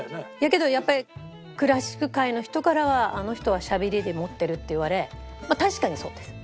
けどやっぱりクラシック界の人からは「あの人はしゃべりで持ってる」って言われ確かにそうです。